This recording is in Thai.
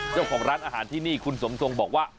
เจ้าของร้านอาหารที่นี่คุณสมทรงบอกว่า